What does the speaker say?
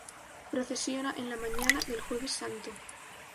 Procesiona en la mañana del Jueves Santo.